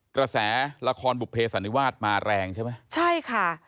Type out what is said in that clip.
กระแสละครบุภเสันนิวาสมาแรงใช่ไหมใช่ค่ะ